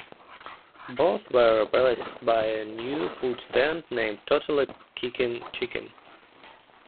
Both were replaced with a new food stand named Totally Kickin' Chicken.